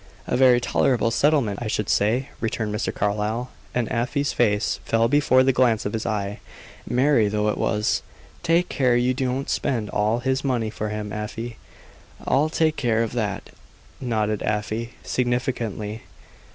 "A very tolerable settlement, I should say," returned Mr. Carlyle; and Afy's face fell before the glance of his eye, merry though it was. "Take care you don't spend all his money for him, Afy." "I'll take care of that," nodded Afy, significantly.